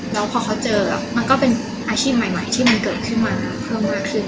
แล้วพอเขาเจอมันก็เป็นอาชีพใหม่ที่มันเกิดขึ้นมาเพิ่มมากขึ้น